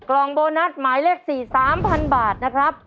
กล่องโบนัสหมายเลข๔๓๐๐บาทนะครับ